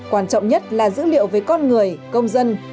quan trọng nhất là dữ liệu về con người công dân